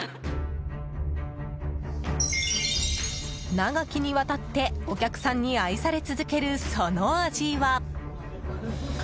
長きにわたってお客さんに愛され続けるその味は。